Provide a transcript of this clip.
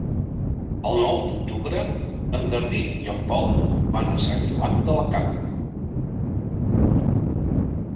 El nou d'octubre en Garbí i en Pol van a Sant Joan d'Alacant.